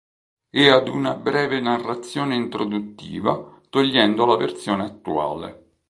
E ad una breve narrazione introduttiva, togliendo la versione attuale".